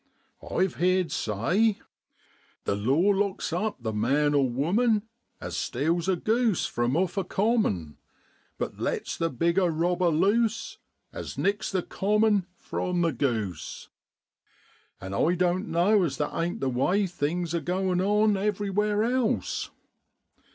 I've heerd say, 'The law locks up the man or woman As steals a goose from off a common. But lets the bigger robber loose As nicks the common from the goose.' *An' I doan't know as that ain't the way things are goin' on everywhere else.